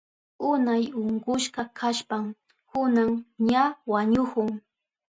Unay unkushka kashpan kunan ña wañuhun